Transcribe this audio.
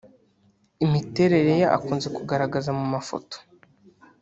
imiterere ye akunze kugaragaza mu mafoto